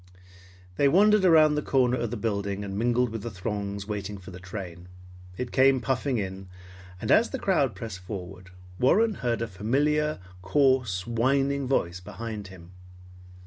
They wandered around the corner of the building and mingled with the throngs waiting for the train. It came puffing in, and as the crowd pressed forward, Warren heard a familiar, coarse, whining voice behind him.